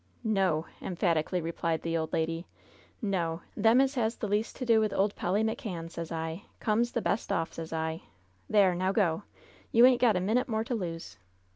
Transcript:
"No!" emphatically replied the old lady. "No I Them as has the least to do with old Polly McCann, sez I, comes the best off, sez I ! There I Now go ! You ain't got a minute more to lose